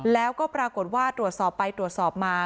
แล้วก็ปรากฏว่าตรวจสอบไปตรวจสอบมา